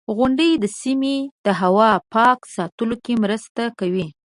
• غونډۍ د سیمې د هوا پاک ساتلو کې مرسته کوي.